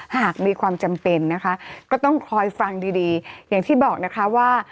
หากมีความจำเป็นนะคะก็ต้องคอยฟังดีดีอย่างที่บอกนะคะว่า